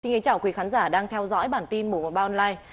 xin chào quý khán giả đang theo dõi bản tin mùa ba online